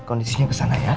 kondisinya kesana ya